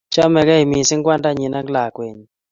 Chamegei missing kwandanyi ago lakwenyi